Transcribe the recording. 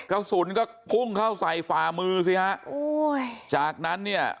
กระสุนก็พุ่งเข้าใส่ฝ่ามือสิฮะโอ้ยจากนั้นเนี่ย